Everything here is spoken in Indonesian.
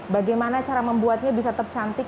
bagaimana cara membuatnya bisa tetap cantik